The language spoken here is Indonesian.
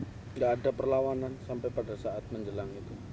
tidak ada perlawanan sampai pada saat menjelang itu